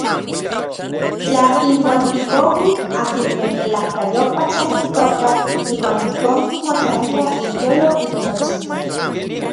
Tla inuan tipouij akinmej melajkayopaj tlaneltokaj iuan ijkon kimotlaniaj inyolo ik nochipa.